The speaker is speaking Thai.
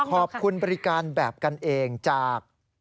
ขอบคุณบริการแบบกันเองจาก